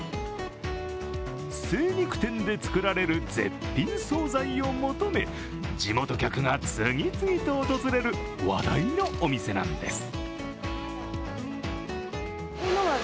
精肉店で作られる絶品総菜を求め、地元客が次々と訪れる話題のお店なんです。